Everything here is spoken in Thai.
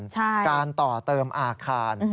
การต่อเติมอาคาร